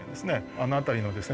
あの辺りのですね